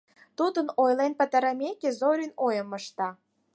Тудын ойлен пытарымеке, Зорин ойым ышта: